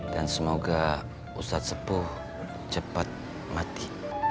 dan semoga ustadz sepuh cepat mati